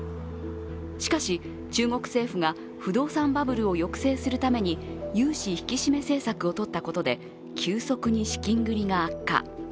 しかし、中国政府が不動産バブルを抑制するために融資引き締め政策をとったことで急速に資金繰りが悪化。